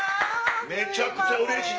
めちゃくちゃうれしい！